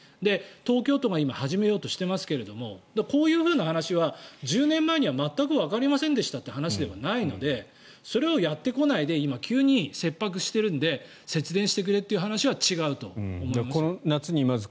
東京都が今、始めようとしていますがこういう話は１０年前には全くわかりませんでしたという話ではないのでそれをやってこないで急に切迫しているので節電してくれという話は違うと思います。